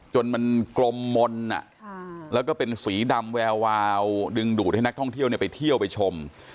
จนมันกลมมนต์แล้วก็เป็นสีดำแวววาวดึงดูดให้นักท่องเที่ยวไปเที่ยวไปชม